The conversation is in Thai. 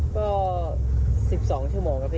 ก็๑๒ชั่วโมงครับพี่